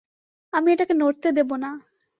আমি এটাকে নড়তে দেবো না।